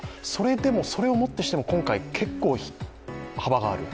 それをもってしても今回結構幅がある。